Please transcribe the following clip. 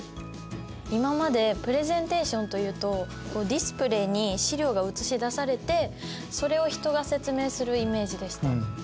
今までプレゼンテーションというとディスプレーに資料が映し出されてそれを人が説明するイメージでした。